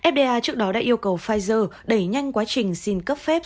fda trước đó đã yêu cầu pfizer đẩy nhanh quá trình xin cấp phép